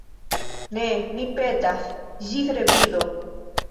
Ne, mi petas: ĝis revido!